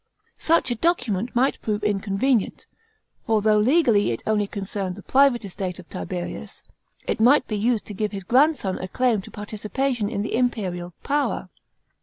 Such a document might prove inconvenient, for though legally it only concerned the private estate cf Tiberius, it mi^ht be used to give his grandson a claim to participation in the imperial power.